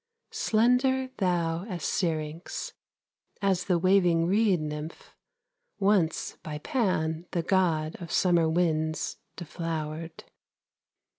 Slender thou as Syrinx, As the waving reed nymph, Once by Pan, the god of Summer winds, deflowered.